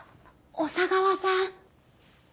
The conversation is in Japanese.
小佐川さん！